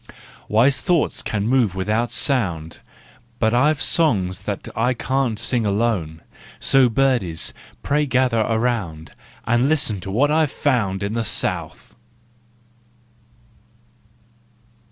Wise thoughts can move without sound, But I've songs that I can't sing alone; So birdies, pray gather around, And listen to what I have found In the South!